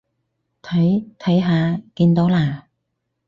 睇，睇下，見到啦？